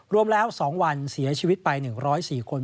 รวมแล้ว๒วันเสียชีวิตไป๑๐๔คน